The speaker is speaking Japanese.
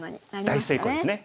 大成功ですね。